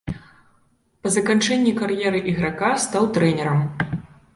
Па заканчэнні кар'еры іграка стаў трэнерам.